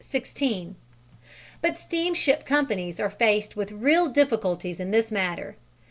But steamship companies are faced with real difficulties in this matter.